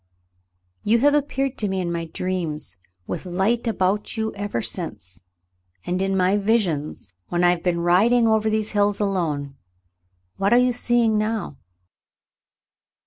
You have appeared to me in my dreams with light about you ever since, and in my visions when I have been riding over these hills alone. What are you seeing now